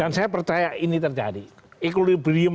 dan saya percaya ini terjadi equilibrium